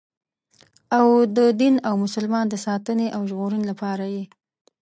او د دین او مسلمان د ساتنې او ژغورنې لپاره یې.